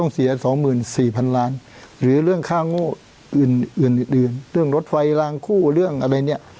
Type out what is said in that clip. สี่พันล้านหรือเรื่องค่าโง่อื่นอื่นอื่นเรื่องรถไฟลางคู่เรื่องอะไรเนี้ย